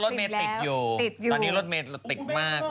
ลดติดเหมือนก็ถุ่มถึง